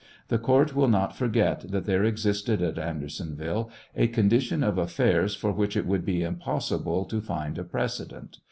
The court will not forget that there existed at Andersonville a condition of affairs for which it would be impossible to rind a precedent.